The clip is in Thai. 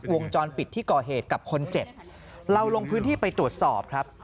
วงจรปิดที่ก่อเหตุกับคนเจ็บเราลงพื้นที่ไปตรวจสอบครับ